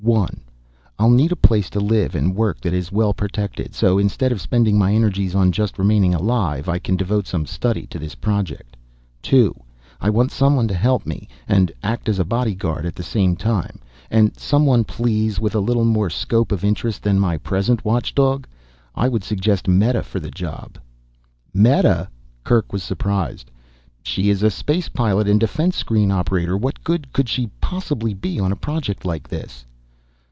"One, I'll need a place to live and work that is well protected. So instead of spending my energies on just remaining alive I can devote some study to this project. Two, I want someone to help me and act as a bodyguard at the same time. And someone, please, with a little more scope of interest than my present watchdog. I would suggest Meta for the job." "Meta?" Kerk was surprised. "She is a space pilot and defense screen operator, what good could she possibly be on a project like this?"